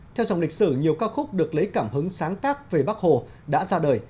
theo trong lịch sử nhiều ca khúc được lấy cảm hứng sáng tác về bắc hồ đã ra đời